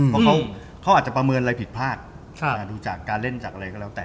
เพราะเขาอาจจะประเมินอะไรผิดพลาดดูจากการเล่นจากอะไรก็แล้วแต่